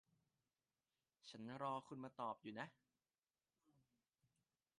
ฉันรอคุณมาตอบอยู่นะ